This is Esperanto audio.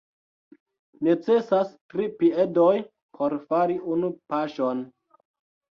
Necesas tri piedoj por fari unu paŝon.